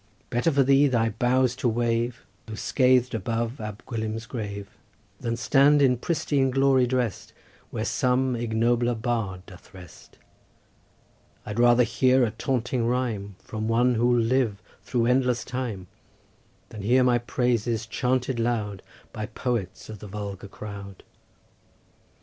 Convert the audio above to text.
Better for thee thy boughs to wave, Though scath'd, above Ab Gwilym's grave, Than stand in pristine glory drest Where some ignobler bard doth rest; I'd rather hear a taunting rhyme From one who'll live through endless time, Than hear my praises chanted loud By poets of the vulgar crowd."